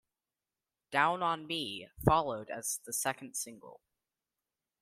"Down on Me" followed as the second single.